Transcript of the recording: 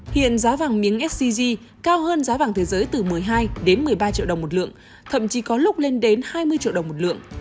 hiện giá vàng miếng sgc cao hơn giá vàng thế giới từ một mươi hai đến một mươi ba triệu đồng một lượng thậm chí có lúc lên đến hai mươi triệu đồng một lượng